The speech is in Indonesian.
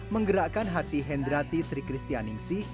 menggerakkan hati hendrati sri kristianingsi